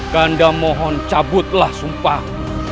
kanda mohon cabutlah sumpah